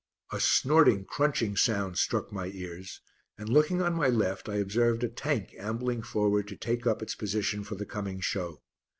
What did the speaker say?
A snorting, crunching sound struck my ears and looking on my left I observed a Tank ambling forward to take up its position for the coming show.